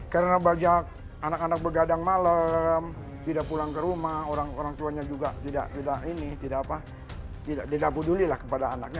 karena banyak anak anak bergadang malam tidak pulang ke rumah orang orang tuanya juga tidak peduli lah kepada anaknya